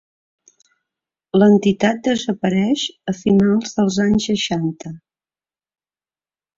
L'entitat desapareix a finals dels anys seixanta.